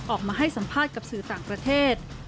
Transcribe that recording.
ออกมาให้สัมภาษณ์กับสื่อต่างประเทศ